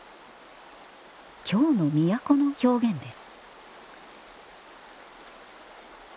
「京の都」の表現です